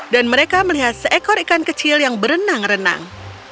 dan mereka melihat seekor ikan kecil yang berenang renang